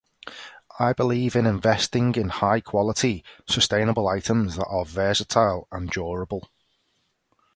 I believe in investing in high-quality, sustainable items that are versatile and durable.